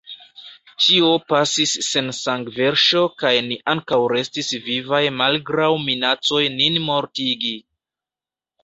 Ĉio pasis sen sangverŝo kaj ni ankaŭ restis vivaj malgraŭ minacoj nin mortigi.